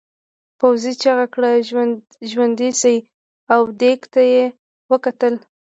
پوځي چیغه کړه ژوندي شئ او دېگ ته یې وکتل.